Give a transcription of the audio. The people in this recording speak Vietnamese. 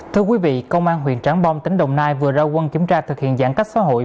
thưa quý vị công an huyện trảng bom tỉnh đồng nai vừa ra quân kiểm tra thực hiện giãn cách xã hội